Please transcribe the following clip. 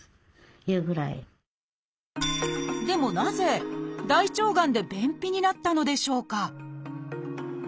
でもなぜ大腸がんで便秘になったのでしょうか？